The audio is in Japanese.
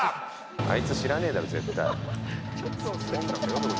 あいつ知らねえだろ絶対。